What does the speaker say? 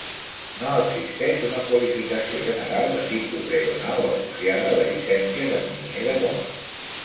No existeix una qualificació general de tipus d'aeronau associada a la llicència d'enginyer de vol.